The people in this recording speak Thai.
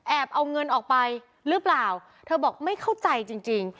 เอาเงินออกไปหรือเปล่าเธอบอกไม่เข้าใจจริงจริง